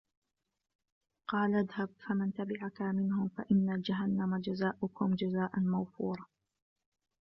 قَالَ اذْهَبْ فَمَنْ تَبِعَكَ مِنْهُمْ فَإِنَّ جَهَنَّمَ جَزَاؤُكُمْ جَزَاءً مَوْفُورًا